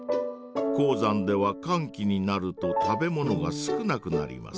高山ではかん期になると食べ物が少なくなります。